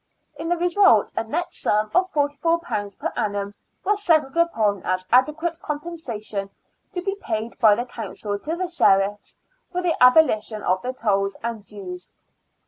In the result, a net sum of £44 per annum was settled upon as adequate compensation to be paid by the Council to the Sheriffs for the abolition of the tolls and dues.